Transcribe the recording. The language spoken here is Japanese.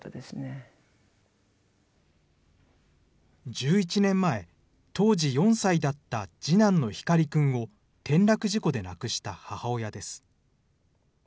１１年前、当時４歳だった次男の光くんを、転落事故で亡くした母親です。